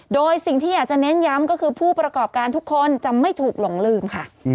โดยสิ่งที่อยากจะเน้นย้ำก็คือผู้ประกอบการทุกคนจะไม่ถูกหลงลืมค่ะ